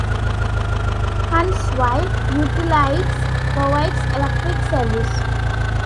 Huntsville Utilities provides electric service.